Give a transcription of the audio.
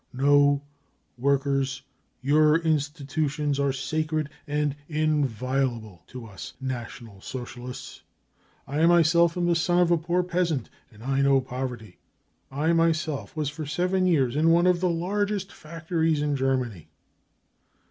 No, workers, your institutions are sacred and inviolable to us National Socialists. I myself am the son of a poor peasant, and I know poverty : I myself was for seven years in one of the largest factories in Germany."